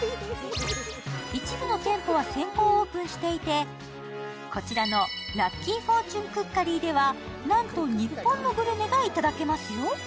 一部の店舗は先行オープンしていて、こちらのＬｕｃｋｙＦｏｒｔｕｎｅＣｏｏｋｅｒｙではなんと、日本のグルメがいただけますよ。